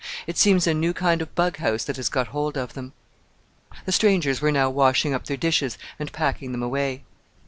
It seems a new kind of bughouse that has got hold of them." The strangers were now washing up their dishes and packing them away.